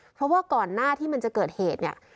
เพราะว่าก่อนหน้าที่มันจะเกิดเหตุเนี่ย